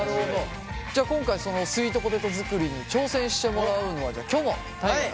じゃ今回そのスイートポテト作りに挑戦してもらうのはじゃきょも大我。